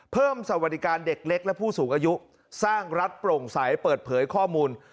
สวัสดิการเด็กเล็กและผู้สูงอายุสร้างรัฐโปร่งใสเปิดเผยข้อมูล